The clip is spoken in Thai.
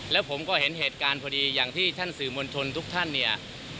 แล้วผมก็เห็นเหตุการณ์พอดีอย่างที่ท่านสื่อมวลชนทุกท่านเนี่ย